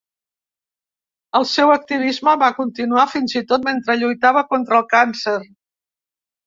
El seu activisme va continuar fins i tot mentre lluitava contra el càncer.